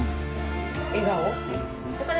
笑顔。